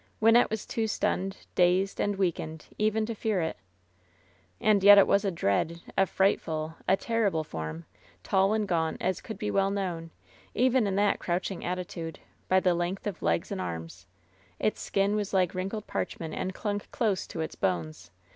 Wynnette was too stunned, dazed and weakened even to fear it. And yet it was a dread, a frightful, a terrible form, tall and gaunt as could be well known, even in that crouching attitude, by the length of legs and arms. Its skin was like wrinkled parchment, and clung close to its bones.